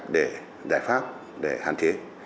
để giải pháp để hàn chế